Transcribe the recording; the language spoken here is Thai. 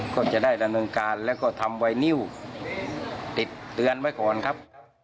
ก็จะได้ดำเนินการแล้วก็ทำไวนิวติดเตือนไว้ก่อนครับ